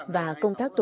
và công tác tổ chức